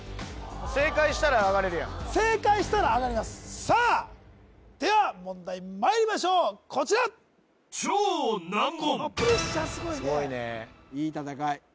正解したら上がれるやん正解したら上がれますさあでは問題まいりましょうこちらこのプレッシャーすごいねすごいねいい戦い